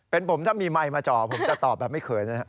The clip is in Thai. เป็นผมถ้ามีไมค์มาจ่อผมจะตอบแบบไม่เขินนะครับ